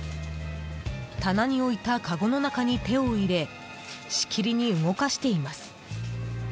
棚に置いた、かごの中に手を入れしきりに動かしています。